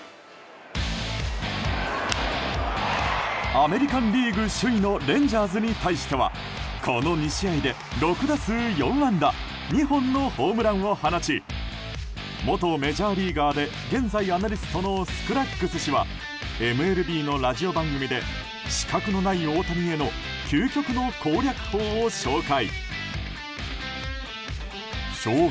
アメリカン・リーグ首位のレンジャーズに対してはこの２試合で６打数４安打２本のホームランを放ち元メジャーリーガーで現在アナリストのスクラッグス氏はＭＬＢのラジオ番組で死角のない大谷への究極の攻略法を紹介。